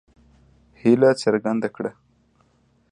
هیله څرګنده کړه.